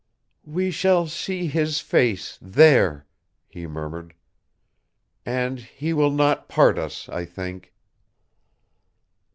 "We shall see His face there," he murmured; "and He will not part us, I think."